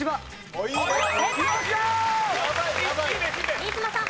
新妻さん。